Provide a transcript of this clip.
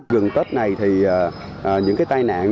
gần tết này thì những cái tai nạn